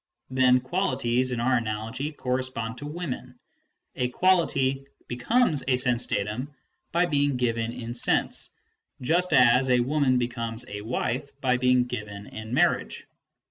Then qualities, in our analogy, correspond to women ; a quality becomes a sense datum by being given in sense, just as a woman becomes a wife by being given in marriage.